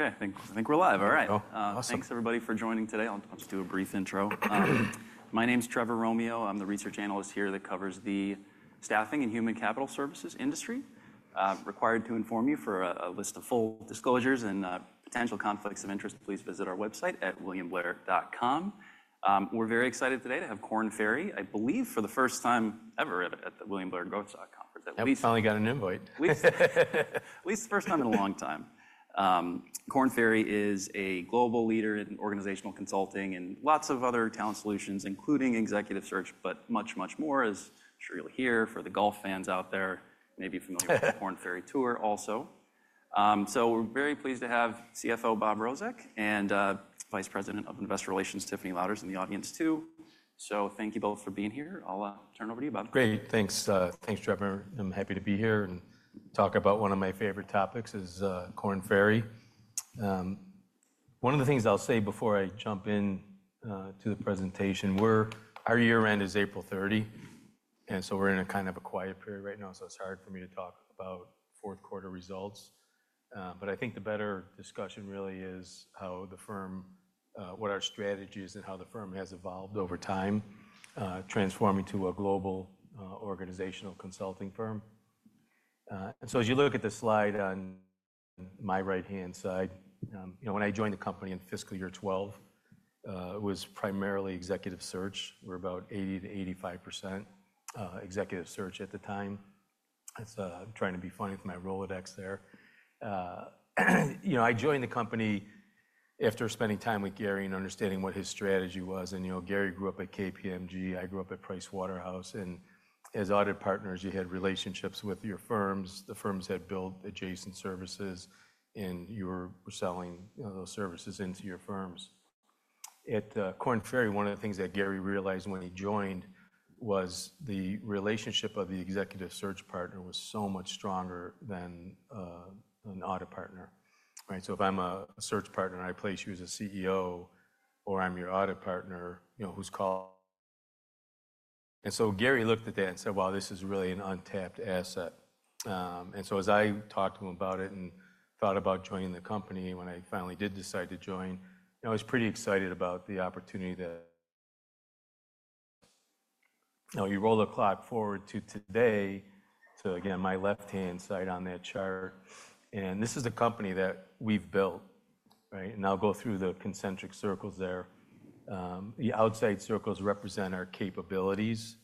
Okay, I think we're live. All right. Awesome. Thanks, everybody, for joining today. I'll just do a brief intro. My name's Trevor Romeo. I'm the research analyst here that covers the staffing and human capital services industry. Required to inform you for a list of full disclosures and potential conflicts of interest, please visit our website at williamblair.com. We're very excited today to have Korn Ferry, I believe, for the first time ever at the williamblair.grove.com. I finally got an invite. At least the first time in a long time. Korn Ferry is a global leader in organizational consulting and lots of other talent solutions, including executive search, but much, much more, as you're really here for the golf fans out there. Maybe you're familiar with the Korn Ferry tour also. We are very pleased to have CFO Bob Rozek and Vice President of Investor Relations, Tiffany Louder, in the audience too. Thank you both for being here. I'll turn it over to you, Bob. Great. Thanks, Trevor. I'm happy to be here and talk about one of my favorite topics, Korn Ferry. One of the things I'll say before I jump into the presentation, our year-end is April 30. We're in a kind of a quiet period right now, so it's hard for me to talk about fourth-quarter results. I think the better discussion really is how the firm, what our strategy is, and how the firm has evolved over time, transforming to a global organizational consulting firm. As you look at the slide on my right-hand side, when I joined the company in fiscal year 2012, it was primarily executive search. We're about 80%-85% executive search at the time. I'm trying to be funny with my Rolodex there. I joined the company after spending time with Gary and understanding what his strategy was. Gary grew up at KPMG. I grew up at Pricewaterhouse. As audit partners, you had relationships with your firms. The firms had built adjacent services, and you were selling those services into your firms. At Korn Ferry, one of the things that Gary realized when he joined was the relationship of the executive search partner was so much stronger than an audit partner. If I'm a search partner and I place you as a CEO, or I'm your audit partner, who's calling? Gary looked at that and said, "Wow, this is really an untapped asset." As I talked to him about it and thought about joining the company, when I finally did decide to join, I was pretty excited about the opportunity that you roll the clock forward to today, to, again, my left-hand side on that chart. This is a company that we've built. I'll go through the concentric circles there. The outside circles represent our capabilities.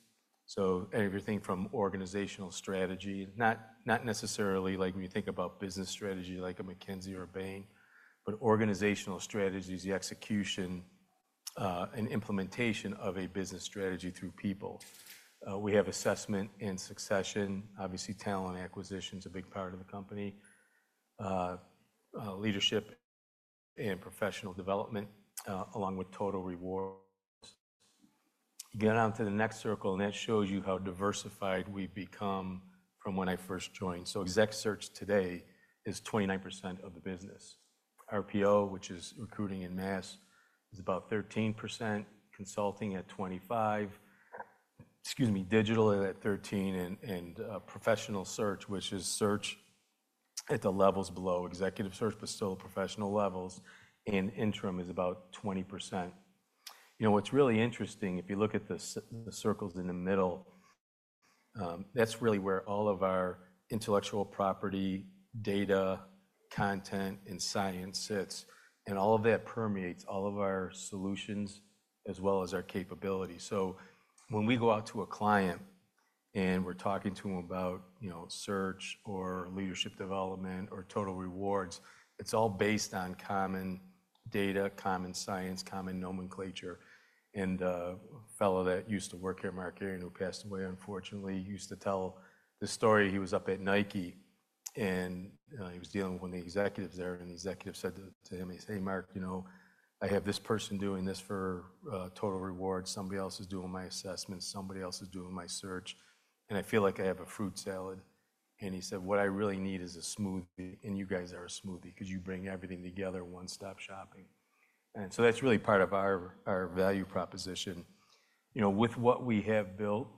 Everything from organizational strategy, not necessarily like when you think about business strategy like a McKinsey or a Bain, but organizational strategy is the execution and implementation of a business strategy through people. We have assessment and succession. Obviously, talent acquisition is a big part of the company. Leadership and professional development, along with total rewards. Get on to the next circle, and that shows you how diversified we've become from when I first joined. Exec search today is 29% of the business. RPO, which is recruiting en masse, is about 13%. Consulting at 25%. Excuse me, digital at 13%. Professional search, which is search at the levels below executive search, but still at professional levels, and interim is about 20%. What's really interesting, if you look at the circles in the middle, that's really where all of our intellectual property, data, content, and science sits. All of that permeates all of our solutions as well as our capabilities. When we go out to a client and we're talking to them about search or leadership development or total rewards, it's all based on common data, common science, common nomenclature. A fellow that used to work here, Mark, who passed away unfortunately, used to tell the story. He was up at Nike, and he was dealing with one of the executives there. The executive said to him, he says, "Hey, Mark, you know I have this person doing this for total rewards. Somebody else is doing my assessments. Somebody else is doing my search. I feel like I have a fruit salad." He said, "What I really need is a smoothie. You guys are a smoothie because you bring everything together, one-stop shopping." That is really part of our value proposition. With what we have built,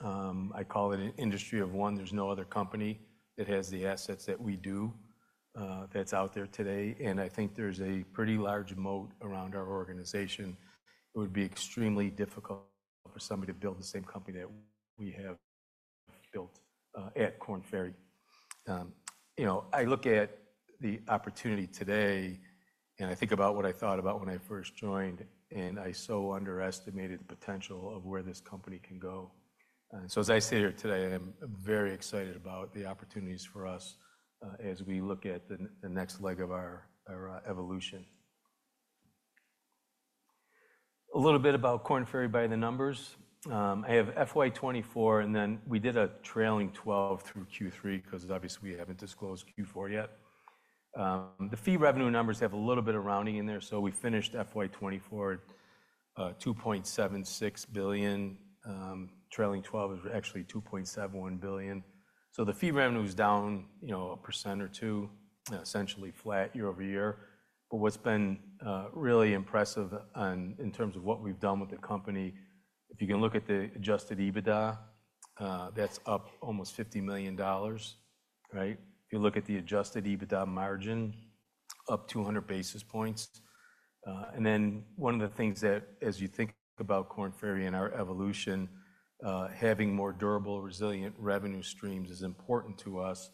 I call it an industry of one. There is no other company that has the assets that we do that is out there today. I think there is a pretty large moat around our organization. It would be extremely difficult for somebody to build the same company that we have built at Korn Ferry. I look at the opportunity today, and I think about what I thought about when I first joined, and I so underestimated the potential of where this company can go. As I sit here today, I'm very excited about the opportunities for us as we look at the next leg of our evolution. A little bit about Korn Ferry by the numbers. I have FY24, and then we did a trailing 12 through Q3 because obviously we haven't disclosed Q4 yet. The fee revenue numbers have a little bit of rounding in there. We finished FY24 at $2.76 billion. Trailing 12 is actually $2.71 billion. The fee revenue is down a percent or two, essentially flat year over year. What's been really impressive in terms of what we've done with the company, if you can look at the adjusted EBITDA, that's up almost $50 million. If you look at the adjusted EBITDA margin, up 200 basis points. One of the things that, as you think about Korn Ferry and our evolution, having more durable, resilient revenue streams is important to us.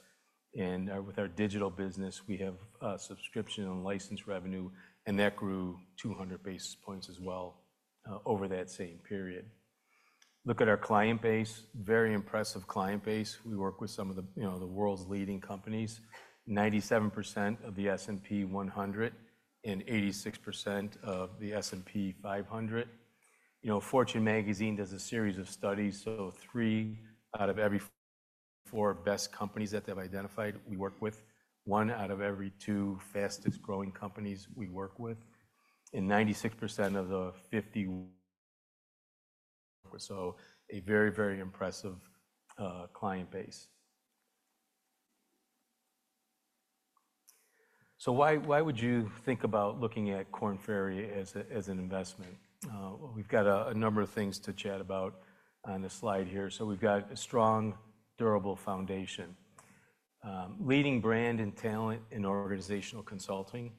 With our digital business, we have subscription and license revenue, and that grew 200 basis points as well over that same period. Look at our client base. Very impressive client base. We work with some of the world's leading companies. 97% of the S&P 100 and 86% of the S&P 500. Fortune Magazine does a series of studies. Three out of every four best companies that they've identified, we work with. One out of every two fastest growing companies we work with. 96% of the 50. A very, very impressive client base. Why would you think about looking at Korn Ferry as an investment? We've got a number of things to chat about on the slide here. We have a strong, durable foundation. Leading brand and talent in organizational consulting.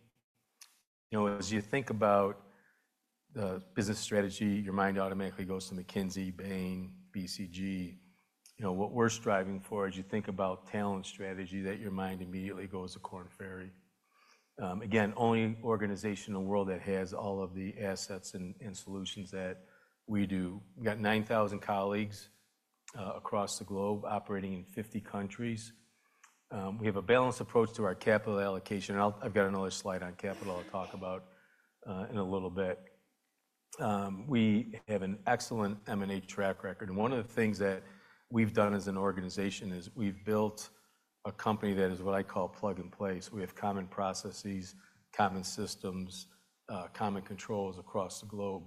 As you think about the business strategy, your mind automatically goes to McKinsey, Bain, BCG. What we're striving for, as you think about talent strategy, that your mind immediately goes to Korn Ferry. Again, only organization in the world that has all of the assets and solutions that we do. We have 9,000 colleagues across the globe operating in 50 countries. We have a balanced approach to our capital allocation. I have another slide on capital I will talk about in a little bit. We have an excellent M&A track record. One of the things that we have done as an organization is we have built a company that is what I call plug and place. We have common processes, common systems, common controls across the globe.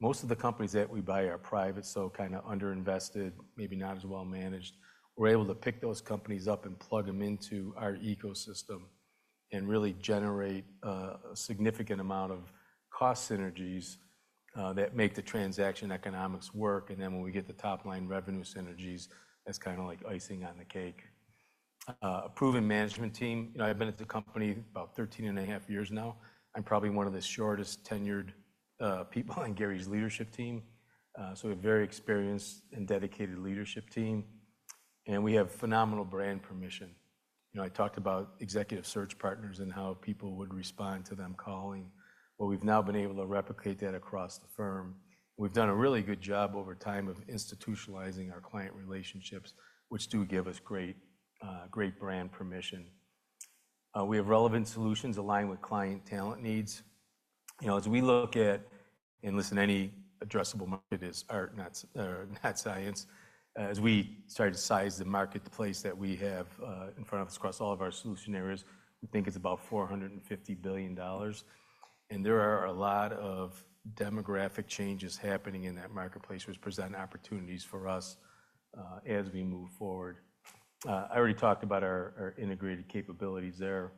Most of the companies that we buy are private, so kind of underinvested, maybe not as well managed. We are able to pick those companies up and plug them into our ecosystem and really generate a significant amount of cost synergies that make the transaction economics work. When we get the top-line revenue synergies, that is kind of like icing on the cake. A proven management team. I have been at the company about 13 and a half years now. I am probably one of the shortest-tenured people on Gary's leadership team. A very experienced and dedicated leadership team. We have phenomenal brand permission. I talked about executive search partners and how people would respond to them calling. We have now been able to replicate that across the firm. We've done a really good job over time of institutionalizing our client relationships, which do give us great brand permission. We have relevant solutions aligned with client talent needs. As we look at, and listen, any addressable market is art, not science. As we start to size the marketplace that we have in front of us across all of our solution areas, I think it's about $450 billion. There are a lot of demographic changes happening in that marketplace, which present opportunities for us as we move forward. I already talked about our integrated capabilities there.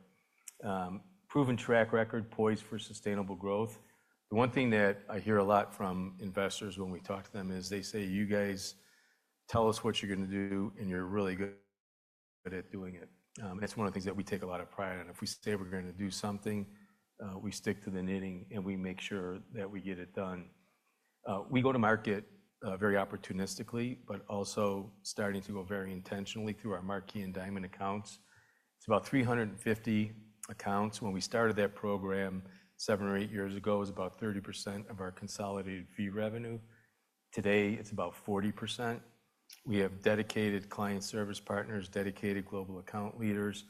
Proven track record, poised for sustainable growth. The one thing that I hear a lot from investors when we talk to them is they say, "You guys tell us what you're going to do, and you're really good at doing it." That's one of the things that we take a lot of pride in. If we say we're going to do something, we stick to the knitting, and we make sure that we get it done. We go to market very opportunistically, but also starting to go very intentionally through our Marquee and Diamond accounts. It's about 350 accounts. When we started that program seven or eight years ago, it was about 30% of our consolidated fee revenue. Today, it's about 40%. We have dedicated client service partners, dedicated global account leaders,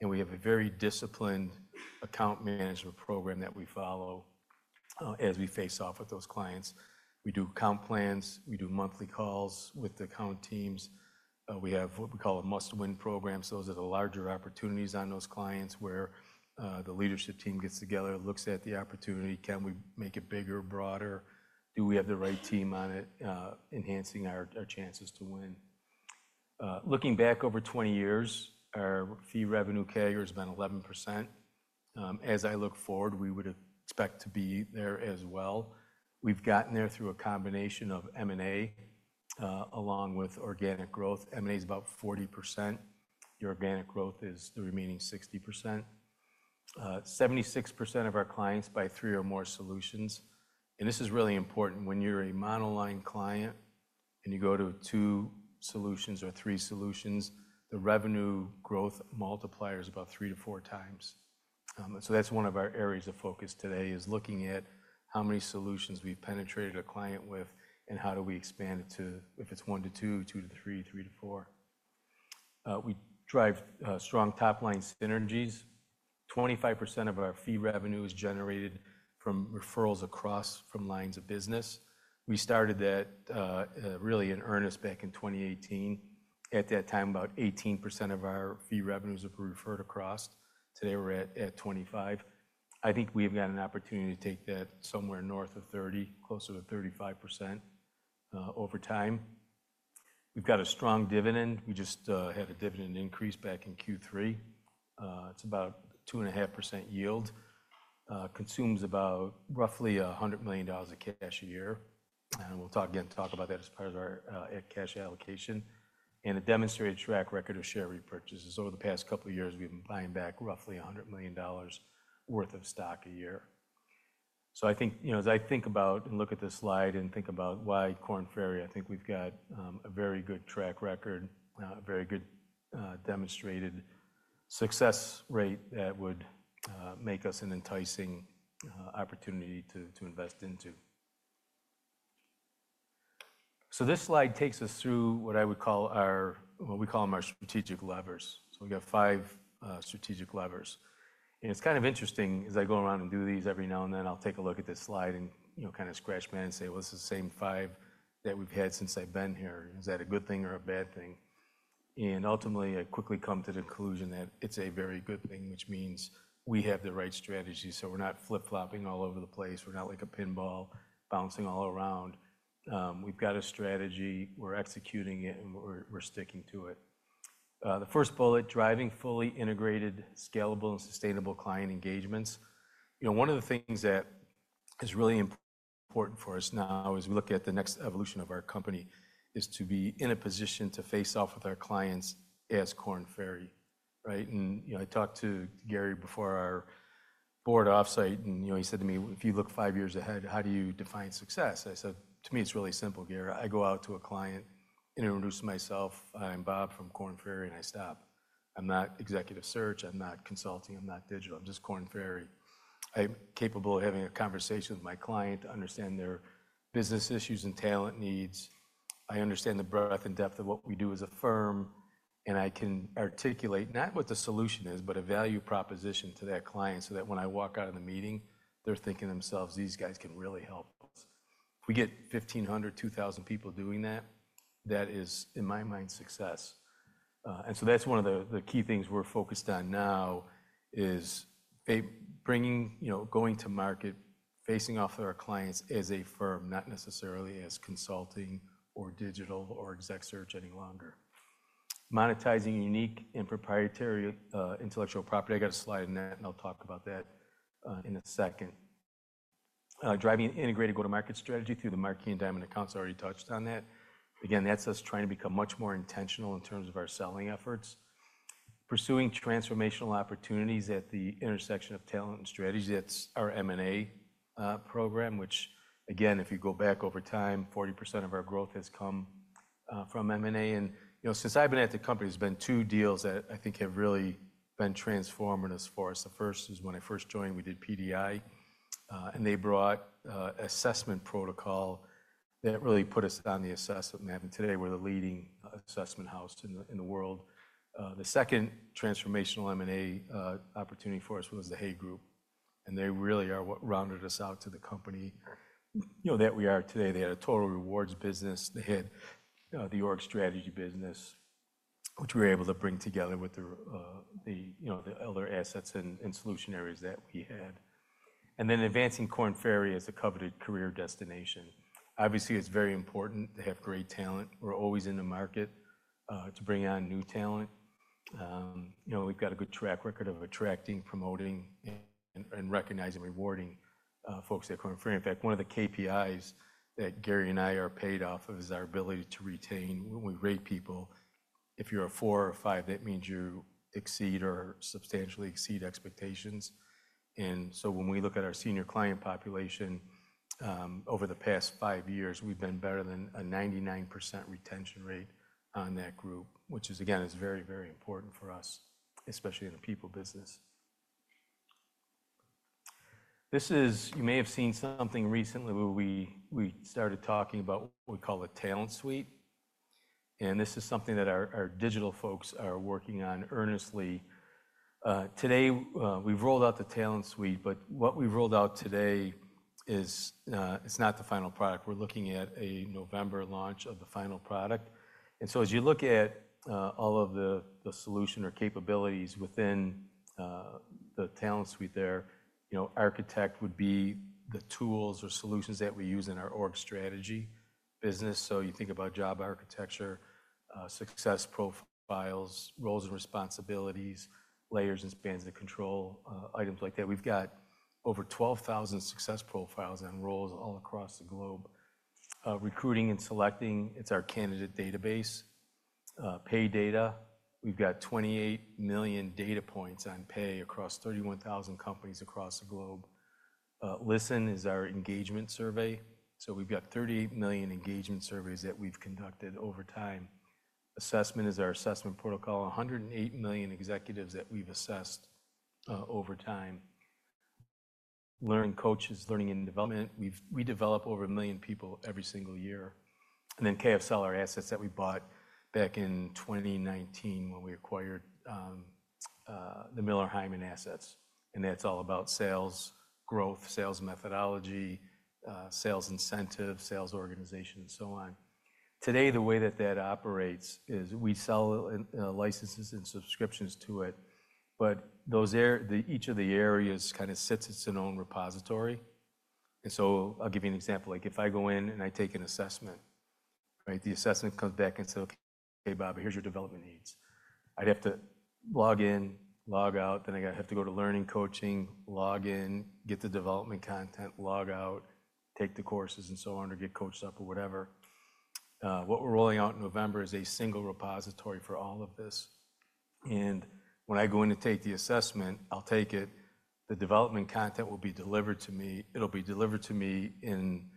and we have a very disciplined account management program that we follow as we face off with those clients. We do comp plans. We do monthly calls with the account teams. We have what we call a must-win program. Those are the larger opportunities on those clients where the leadership team gets together, looks at the opportunity, can we make it bigger, broader, do we have the right team on it, enhancing our chances to win. Looking back over 20 years, our fee Revenue CAGR has been 11%. As I look forward, we would expect to be there as well. We have gotten there through a combination of M&A along with organic growth. M&A is about 40%. Your organic growth is the remaining 60%. 76% of our clients buy three or more solutions. This is really important. When you are a monoline client and you go to two solutions or three solutions, the revenue growth multiplier is about three to four times. That's one of our areas of focus today is looking at how many solutions we've penetrated a client with and how do we expand it to if it's one to two, two to three, three to four. We drive strong top-line synergies. 25% of our fee revenue is generated from referrals across from lines of business. We started that really in earnest back in 2018. At that time, about 18% of our fee revenues were referred across. Today, we're at 25%. I think we've got an opportunity to take that somewhere north of 30%, closer to 35% over time. We've got a strong dividend. We just had a dividend increase back in Q3. It's about 2.5% yield. Consumes about roughly $100 million of cash a year. We'll again talk about that as part of our cash allocation. The demonstrated track record of share repurchases. Over the past couple of years, we've been buying back roughly $100 million worth of stock a year. I think as I think about and look at this slide and think about why Korn Ferry, I think we've got a very good track record, a very good demonstrated success rate that would make us an enticing opportunity to invest into. This slide takes us through what I would call our what we call our strategic levers. We have five strategic levers. It's kind of interesting as I go around and do these every now and then, I'll take a look at this slide and kind of scratch my head and say, "This is the same five that we've had since I've been here. Is that a good thing or a bad thing?" I quickly come to the conclusion that it's a very good thing, which means we have the right strategy. We're not flip-flopping all over the place. We're not like a pinball bouncing all around. We've got a strategy. We're executing it, and we're sticking to it. The first bullet, driving fully integrated, scalable, and sustainable client engagements. One of the things that is really important for us now as we look at the next evolution of our company is to be in a position to face off with our clients as Korn Ferry. I talked to Gary before our board offsite, and he said to me, "If you look five years ahead, how do you define success?" I said, "To me, it's really simple, Gary. I go out to a client, introduce myself, I'm Bob from Korn Ferry, and I stop. I'm not executive search. I'm not consulting. I'm not digital. I'm just Korn Ferry. I'm capable of having a conversation with my client to understand their business issues and talent needs. I understand the breadth and depth of what we do as a firm, and I can articulate not what the solution is, but a value proposition to that client so that when I walk out of the meeting, they're thinking to themselves, "These guys can really help us." If we get 1,500-2,000 people doing that, that is, in my mind, success. That's one of the key things we're focused on now is bringing going to market, facing off with our clients as a firm, not necessarily as consulting or digital or exec search any longer. Monetizing unique and proprietary intellectual property. I got a slide in that, and I'll talk about that in a second. Driving an integrated go-to-market strategy through the Marquise and Diamond accounts. I already touched on that. Again, that's us trying to become much more intentional in terms of our selling efforts. Pursuing transformational opportunities at the intersection of talent and strategy. That's our M&A program, which, again, if you go back over time, 40% of our growth has come from M&A. And since I've been at the company, there's been two deals that I think have really been transformative for us. The first is when I first joined, we did PDI, and they brought assessment protocol that really put us on the assessment map. And today, we're the leading assessment house in the world. The second transformational M&A opportunity for us was the Hay Group. They really are what rounded us out to the company that we are today. They had a total rewards business. They had the org strategy business, which we were able to bring together with the other assets and solution areas that we had. Advancing Korn Ferry as a coveted career destination is obviously very important to have great talent. We're always in the market to bring on new talent. We've got a good track record of attracting, promoting, and recognizing, rewarding folks at Korn Ferry. In fact, one of the KPIs that Gary and I are paid off of is our ability to retain. When we rate people, if you're a four or a five, that means you exceed or substantially exceed expectations. When we look at our senior client population over the past five years, we've been better than a 99% retention rate on that group, which is, again, very, very important for us, especially in the people business. You may have seen something recently where we started talking about what we call a Talent Suite. This is something that our Digital folks are working on earnestly. Today, we've rolled out the Talent Suite, but what we've rolled out today is not the final product. We're looking at a November launch of the final product. As you look at all of the solution or capabilities within the Talent Suite there, Architect would be the tools or solutions that we use in our org strategy business. You think about job architecture, success profiles, roles and responsibilities, layers and spans of control, items like that. We've got over 12,000 success profiles and roles all across the globe. Recruiting and selecting, it's our candidate database. Pay data, we've got 28 million data points on pay across 31,000 companies across the globe. Listen is our engagement survey. We've got 38 million engagement surveys that we've conducted over time. Assessment is our assessment protocol. 108 million executives that we've assessed over time. Learning coaches, learning and development. We develop over a million people every single year. KFSL, our assets that we bought back in 2019 when we acquired the Miller Heiman assets. That's all about sales, growth, sales methodology, sales incentives, sales organization, and so on. Today, the way that that operates is we sell licenses and subscriptions to it. Each of the areas kind of sits its own repository. I'll give you an example. If I go in and I take an assessment, the assessment comes back and says, "Okay, Bob, here's your development needs." I'd have to log in, log out, then I'd have to go to learning coaching, log in, get the development content, log out, take the courses, and so on, or get coached up or whatever. What we're rolling out in November is a single repository for all of this. When I go in to take the assessment, I'll take it, the development content will be delivered to me. It'll be delivered to me in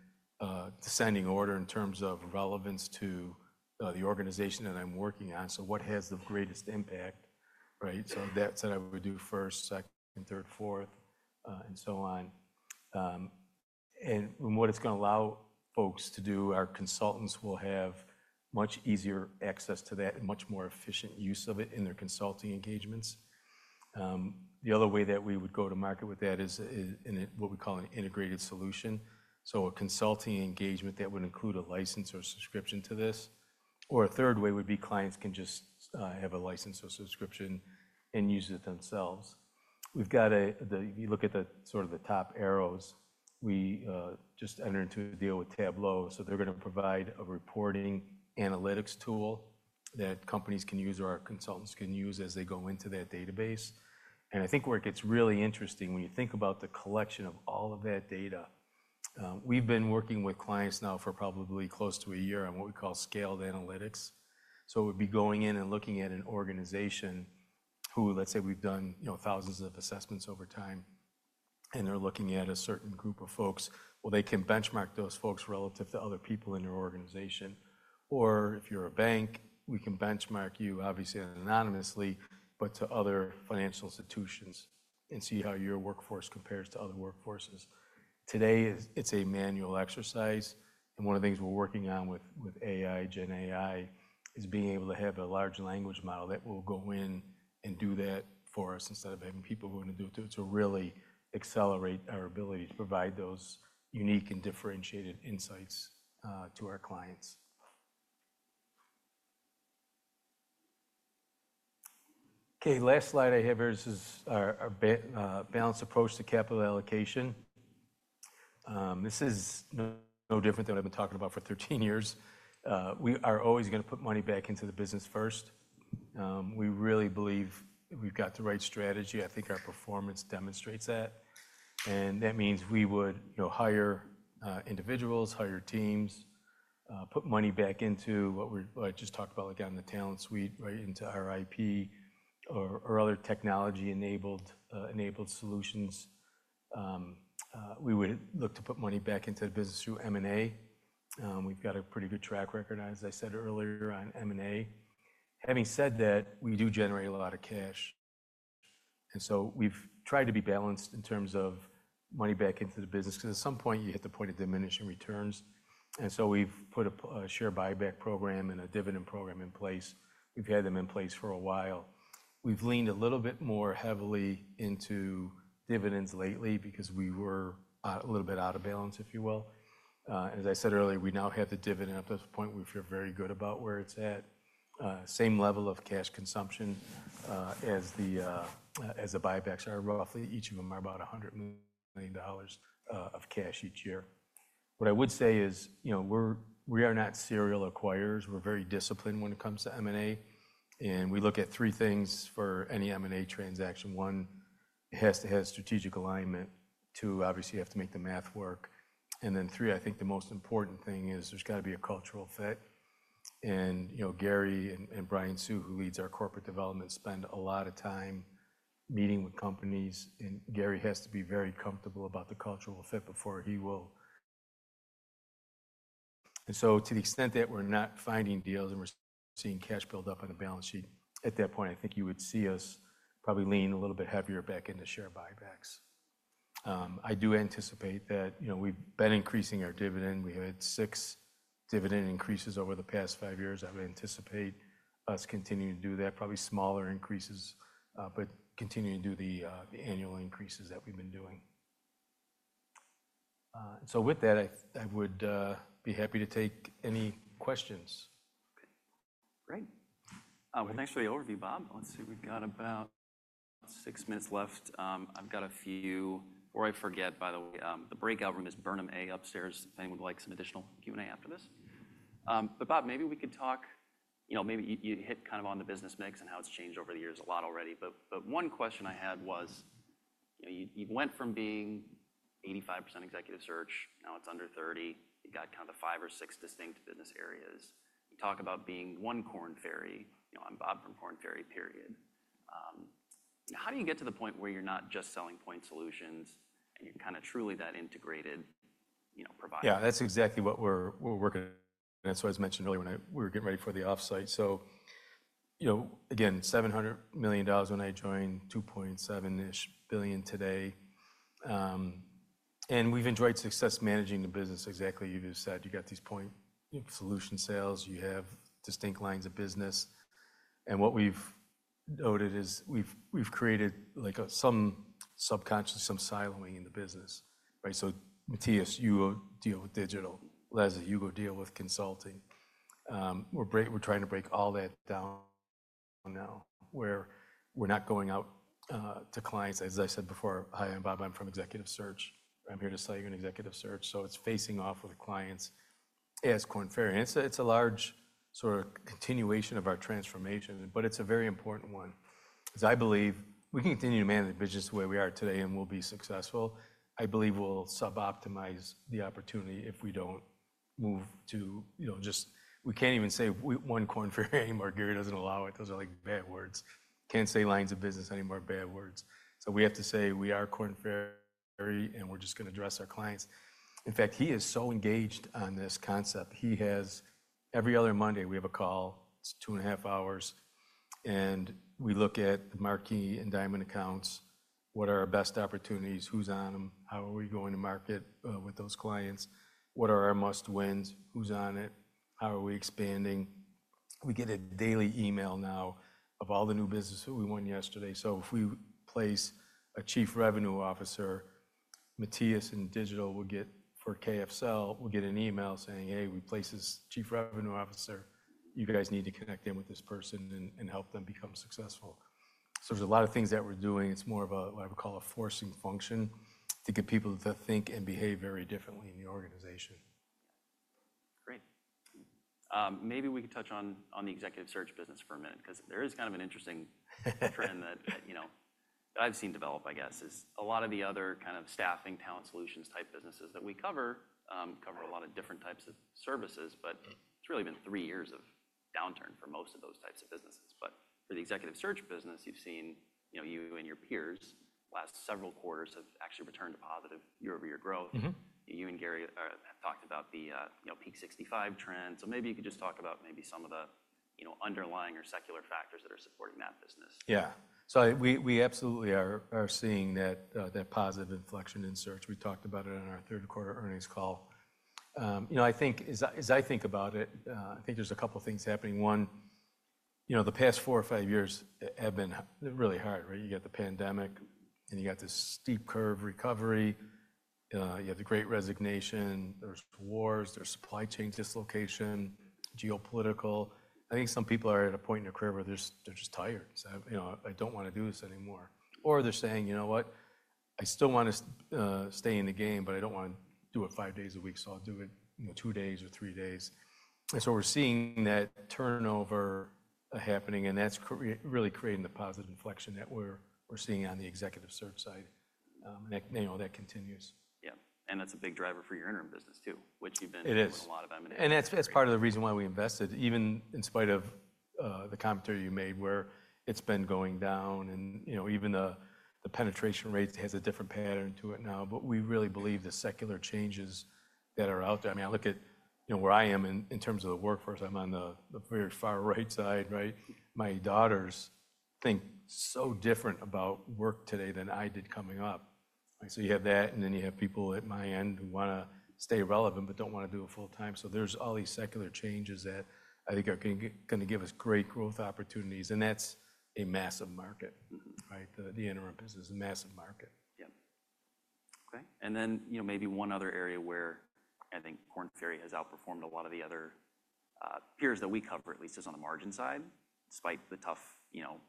descending order in terms of relevance to the organization that I'm working on. What has the greatest impact? That's what I would do first, second, third, fourth, and so on. What it's going to allow folks to do, our consultants will have much easier access to that and much more efficient use of it in their consulting engagements. The other way that we would go to market with that is in what we call an integrated solution. A consulting engagement that would include a license or subscription to this. A third way would be clients can just have a license or subscription and use it themselves. If you look at the sort of the top arrows, we just entered into a deal with Tableau. They're going to provide a reporting analytics tool that companies can use or our consultants can use as they go into that database. I think where it gets really interesting when you think about the collection of all of that data, we've been working with clients now for probably close to a year on what we call scaled analytics. It would be going in and looking at an organization who, let's say we've done thousands of assessments over time, and they're looking at a certain group of folks. They can benchmark those folks relative to other people in your organization. If you're a bank, we can benchmark you, obviously anonymously, but to other financial institutions and see how your workforce compares to other workforces. Today, it's a manual exercise. One of the things we are working on with AI, GenAI, is being able to have a large language model that will go in and do that for us instead of having people going to do it to really accelerate our ability to provide those unique and differentiated insights to our clients. Okay, last slide I have here. This is our balanced approach to capital allocation. This is no different than what I have been talking about for 13 years. We are always going to put money back into the business first. We really believe we have got the right strategy. I think our performance demonstrates that. That means we would hire individuals, hire teams, put money back into what I just talked about, like on the Talent Suite, right, into our IP or other technology-enabled solutions. We would look to put money back into the business through M&A. We've got a pretty good track record, as I said earlier, on M&A. Having said that, we do generate a lot of cash. We have tried to be balanced in terms of money back into the business because at some point, you hit the point of diminishing returns. We have put a share buyback program and a dividend program in place. We have had them in place for a while. We have leaned a little bit more heavily into dividends lately because we were a little bit out of balance, if you will. As I said earlier, we now have the dividend up to this point. We feel very good about where it's at. Same level of cash consumption as the buybacks are roughly. Each of them are about $100 million of cash each year. What I would say is we are not serial acquirers. We're very disciplined when it comes to M&A. We look at three things for any M&A transaction. One, it has to have strategic alignment. Two, obviously, you have to make the math work. Three, I think the most important thing is there's got to be a cultural fit. Gary and Brian Suh, who leads our corporate development, spend a lot of time meeting with companies. Gary has to be very comfortable about the cultural fit before he will. To the extent that we're not finding deals and we're seeing cash build up on the balance sheet, at that point, I think you would see us probably lean a little bit heavier back into share buybacks. I do anticipate that we've been increasing our dividend. We had six dividend increases over the past five years. I would anticipate us continuing to do that, probably smaller increases, but continuing to do the annual increases that we've been doing. With that, I would be happy to take any questions. Great. Thanks for the overview, Bob. Let's see. We've got about six minutes left. I've got a few before I forget, by the way, the breakout room is Burnham A upstairs. If anyone would like some additional Q&A after this. Bob, maybe we could talk, maybe you hit kind of on the business mix and how it's changed over the years a lot already. One question I had was you went from being 85% Executive Search. Now it's under 30%. You got kind of five or six distinct business areas. You talk about being one Korn Ferry. I'm Bob from Korn Ferry, period. How do you get to the point where you're not just selling point solutions and you're kind of truly that integrated provider? Yeah, that's exactly what we're working on. That's what I was mentioning earlier when we were getting ready for the offsite. Again, $700 million when I joined, $2.7 billion-ish today. We've enjoyed success managing the business exactly like you just said. You got these point solution sales. You have distinct lines of business. What we've noted is we've created some subconscious, some siloing in the business. Mathias, you deal with digital. Leslie, you go deal with consulting. We're trying to break all that down now where we're not going out to clients, as I said before, hi, I'm Bob, I'm from executive search, I'm here to sell you an executive search. It's facing off with clients as Korn Ferry. It's a large sort of continuation of our transformation, but it's a very important one. Because I believe we can continue to manage the business the way we are today and we'll be successful. I believe we'll suboptimize the opportunity if we don't move to just we can't even say one Korn Ferry anymore. Gary doesn't allow it. Those are like bad words. Can't say lines of business anymore, bad words. We have to say we are Korn Ferry and we're just going to address our clients. In fact, he is so engaged on this concept. Every other Monday, we have a call. It's two and a half hours. We look at the Marquise and Diamond accounts. What are our best opportunities? Who's on them? How are we going to market with those clients? What are our must wins? Who's on it? How are we expanding? We get a daily email now of all the new business who we won yesterday. If we place a chief revenue officer, Mathias in Digital will get for KFSL, we'll get an email saying, "Hey, we placed this chief revenue officer. You guys need to connect in with this person and help them become successful." There are a lot of things that we're doing. It's more of what I would call a forcing function to get people to think and behave very differently in the organization. Great. Maybe we can touch on the executive search business for a minute because there is kind of an interesting trend that I've seen develop, I guess, is a lot of the other kind of staffing talent solutions type businesses that we cover cover a lot of different types of services, but it's really been three years of downturn for most of those types of businesses. For the executive search business, you've seen you and your peers last several quarters have actually returned to positive year-over-year growth. You and Gary have talked about the Peak 65 trend. Maybe you could just talk about maybe some of the underlying or secular factors that are supporting that business. Yeah. So we absolutely are seeing that positive inflection in search. We talked about it on our third quarter earnings call. I think as I think about it, I think there's a couple of things happening. One, the past four or five years have been really hard. You got the pandemic and you got this steep curve recovery. You have the great resignation. There are wars. There is supply chain dislocation, geopolitical. I think some people are at a point in their career where they're just tired. I do not want to do this anymore. Or they're saying, "You know what? I still want to stay in the game, but I do not want to do it five days a week, so I'll do it two days or three days." We are seeing that turnover happening, and that is really creating the positive inflection that we are seeing on the executive search side. That continues. Yeah. That is a big driver for your Interim business too, which you have been doing a lot of M&A. It is. That is part of the reason why we invested, even in spite of the commentary you made where it has been going down. Even the penetration rate has a different pattern to it now. We really believe the secular changes that are out there. I mean, I look at where I am in terms of the workforce. I am on the very far right side, right? My daughters think so different about work today than I did coming up. You have that, and then you have people at my end who want to stay relevant but do not want to do it full time. There are all these secular changes that I think are going to give us great growth opportunities. That is a massive market, right? The interim business is a massive market. Yeah. Okay. Maybe one other area where I think Korn Ferry has outperformed a lot of the other peers that we cover, at least, is on the margin side. Despite the tough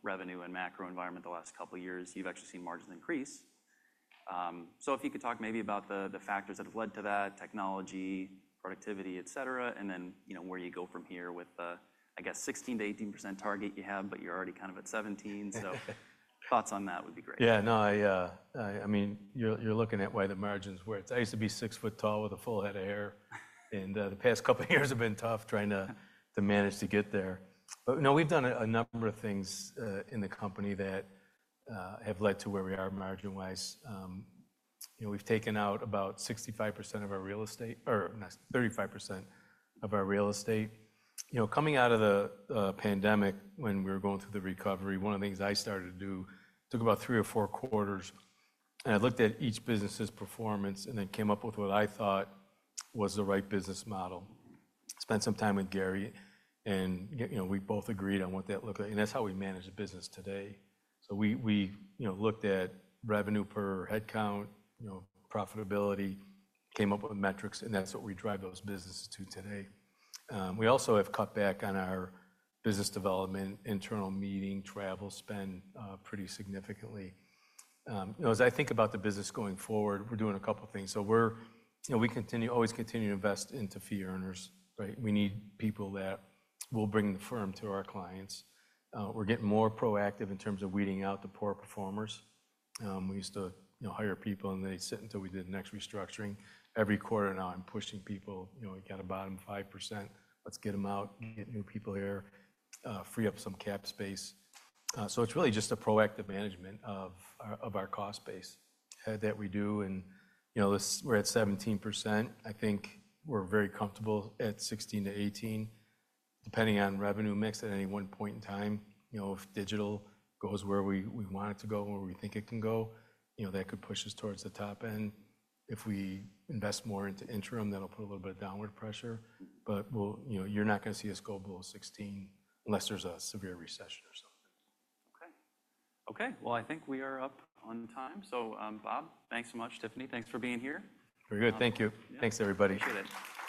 revenue and macro environment the last couple of years, you've actually seen margins increase. If you could talk maybe about the factors that have led to that, technology, productivity, etc., and then where you go from here with the, I guess, 16-18% target you have, but you're already kind of at 17%. Thoughts on that would be great. Yeah. No, I mean, you're looking at why the margins where I used to be six foot tall with a full head of hair. The past couple of years have been tough trying to manage to get there. We've done a number of things in the company that have led to where we are margin-wise. We've taken out about 65% of our real estate or 35% of our real estate. Coming out of the pandemic when we were going through the recovery, one of the things I started to do took about three or four quarters. I looked at each business's performance and then came up with what I thought was the right business model. Spent some time with Gary, and we both agreed on what that looked like. That's how we manage the business today. We looked at revenue per headcount, profitability, came up with metrics, and that's what we drive those businesses to today. We also have cut back on our business development, internal meeting, travel spend pretty significantly. As I think about the business going forward, we're doing a couple of things. We continue to always continue to invest into fee earners. We need people that will bring the firm to our clients. We're getting more proactive in terms of weeding out the poor performers. We used to hire people, and they sit until we did the next restructuring. Every quarter now, I'm pushing people. We got a bottom 5%. Let's get them out, get new people here, free up some cap space. It's really just a proactive management of our cost base that we do. We're at 17%. I think we're very comfortable at 16-18, depending on revenue mix at any one point in time. If Digital goes where we want it to go and where we think it can go, that could push us towards the top end. If we invest more into Interim, that'll put a little bit of downward pressure. You're not going to see us go below 16 unless there's a severe recession or something. Okay. Okay. I think we are up on time. So Bob, thanks so much. Tiffany, thanks for being here. Very good. Thank you. Thanks, everybody. Appreciate it.